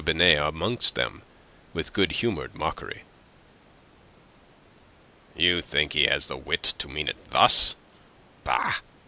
Binet amongst them, with good humoured mockery. "You think he has the wit to mean it thus? Bah!